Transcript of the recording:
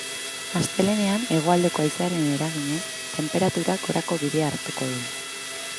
Astelehenean, hegoaldeko haizearen eraginez, tenperaturak gorako bidea hartuko du.